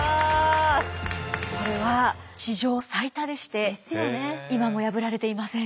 これは史上最多でして今も破られていません。